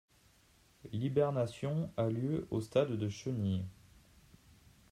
L'hibernation a lieu au stade de chenille.